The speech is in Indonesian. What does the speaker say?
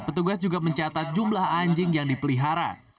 petugas juga mencatat jumlah anjing yang dipelihara